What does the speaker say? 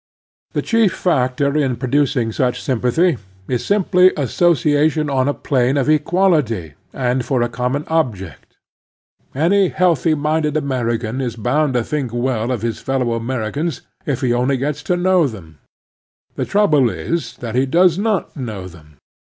The chief factor in producing such sympathy is simply association on a plane of equality, and for a common object. Any^ Jiealthy mindedpAinerican is bound to think weltljfiiis'Tellow^Americans if he only gets to know them. The trouble is that he does not know them.